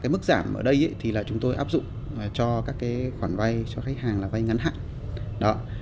mức giảm ở đây là chúng tôi áp dụng cho các khoản vay cho khách hàng là vay ngắn hạn